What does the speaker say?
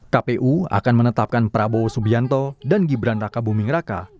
kpu akan menetapkan prabowo subianto dan gibran raka buming raka